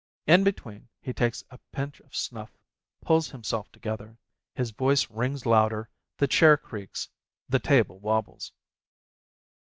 In between he takes a pinch of snuff, pulls himself together, his voice rings louder, the chair creaks, the table wobbles.